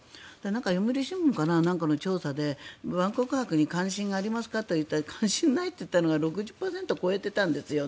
読売新聞か何かの調査で万博に関心があるかと聞きましたら関心がないと答えた人が６０％を超えていたんです。